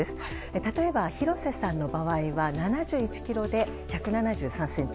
例えば、廣瀬さんの場合は７１ｋｇで１７３ｃｍ。